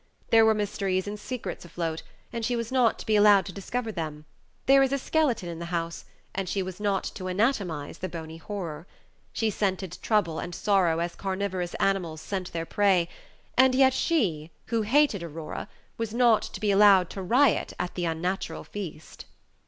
There were mysteries and secrets afloat, and she was not to be allowed to discover them; there was a skeleton in the house, and she was not to anatomize the bony horror. She scented trouble and sorrow as carnivorous animals scent their prey, and yet she, who hated Aurora, was not to be allowed to riot at the unnatural feast.